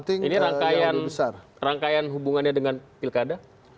ini rangkaian hubungannya dengan pilkada